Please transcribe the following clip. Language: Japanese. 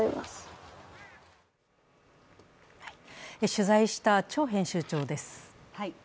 取材したチョウ編集長です。